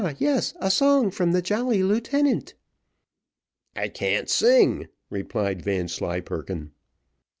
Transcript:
yes, a song from the jolly lieutenant." "I can't sing," replied Vanslyperken.